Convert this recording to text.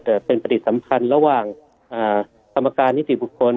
แต่เป็นปฏิสัมพันธ์ระหว่างกรรมการนิติบุคคล